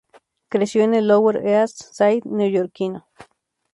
Creció en el Lower East Side neoyorquino.